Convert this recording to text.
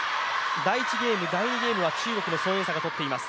第１ゲーム、第２ゲームは中国の孫エイ莎が取っています。